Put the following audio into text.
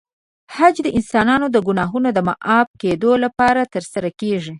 حج د انسانانو د ګناهونو د معاف کېدو لپاره ترسره کېږي.